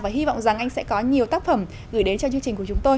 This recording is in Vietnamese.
và hy vọng rằng anh sẽ có nhiều tác phẩm gửi đến cho chương trình của chúng tôi